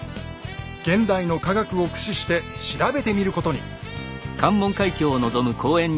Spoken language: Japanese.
現代の科学を駆使して調べてみることに。